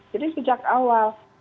jadi sejak awal